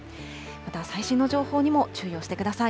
また最新の情報にも注意をしてください。